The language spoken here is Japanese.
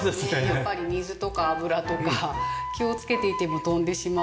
やっぱり水とか油とか気をつけていても飛んでしまうので。